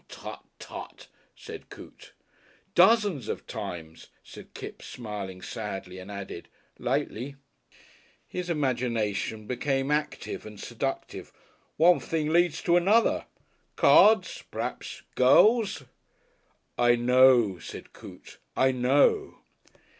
"Tt. Tt.," said Coote. "Dozens of times," said Kipps, smiling sadly, and added, "lately." His imagination became active and seductive. "One thing leads to another. Cards, p'raps. Girls " "I know," said Coote; "I know."